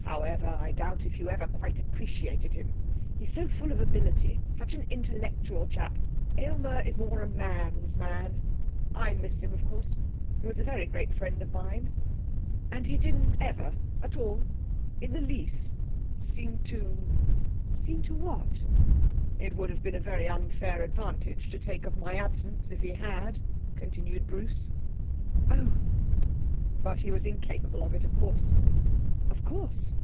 'However, I doubt if you ever quite appreciated him. He's so full of ability; such an intellectual chap! Aylmer is more a man's man. I miss him, of course. He was a very great friend of mine. And he didn't ever at all, in the least seem to ' 'Seem to what?' 'It would have been a very unfair advantage to take of my absence if he had,' continued Bruce. 'Oh!' 'But he was incapable of it, of course.' 'Of course.'